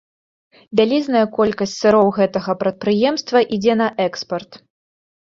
Вялізная колькасць сыроў гэтага прадпрыемства ідзе на экспарт.